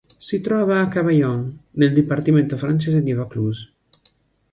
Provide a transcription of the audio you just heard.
Si trova a Cavaillon, nel dipartimento francese di Vaucluse.